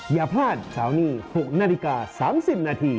อย่าพลาดเสาร์นี้๖นาฬิกา๓๐นาที